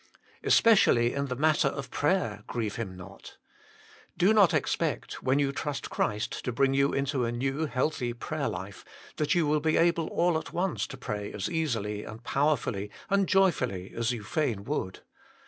Especially in the matter of prayer grieve Him not. Do not expect, when you trust Christ to bring you into a new, healthy prayer life, that you will be able all at once to pray as easily and powerfully and joyfully as you fain would.